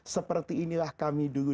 seperti inilah kami dulu